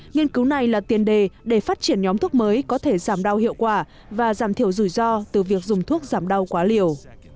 nghiên cứu này là tiền đề để phát triển nhóm thuốc mới có thể giảm đau hiệu quả và giảm thiểu rủi ro từ việc dùng thuốc giảm đau quá liều